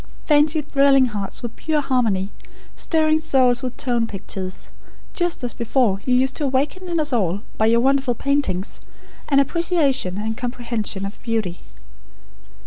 Fancy thrilling hearts with pure harmony, stirring souls with tone pictures; just as before you used to awaken in us all, by your wonderful paintings, an appreciation and comprehension of beauty."